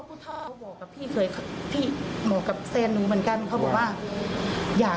อะไรนาง้าน่ะ